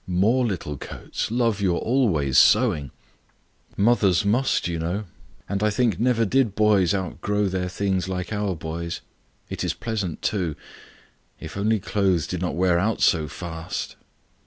"More little coats! Love, you are always sewing." "Mothers must you know. And I think never did boys outgrow their things like our boys. It is pleasant, too. If only clothes did not wear out so fast."